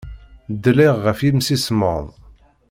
Dliɣ ɣef yimsismeḍ.